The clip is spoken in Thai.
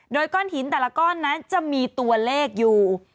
โดยก้อนหินแต่ละก้อนนั้นจะมีตัวเลขอยู่